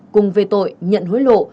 cùng về tội nhận hối lộ